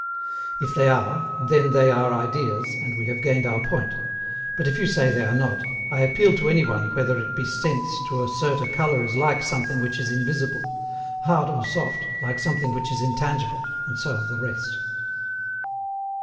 If they are, THEN THEY ARE IDEAS and we have gained our point; but if you say they are not, I appeal to any one whether it be sense to assert a colour is like something which is invisible; hard or soft, like something which is intangible; and so of the rest.